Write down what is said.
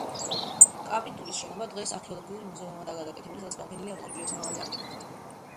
კაპიტულის შენობა დღეს არქეოლოგიურ მუზეუმადაა გადაკეთებული, სადაც გამოფენილია რომაული პერიოდის მრავალი არტეფაქტი.